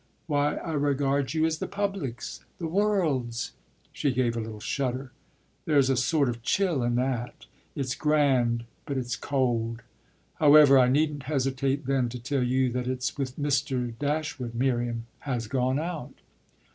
Why, I regard you as the public's the world's." She gave a little shudder. "There's a sort of chill in that. It's grand, but it's cold. However, I needn't hesitate then to tell you that it's with Mr. Dashwood Miriam has gone out."